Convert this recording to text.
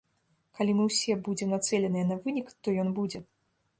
Калі мы ўсе будзем нацэленыя на вынік, то ён будзе.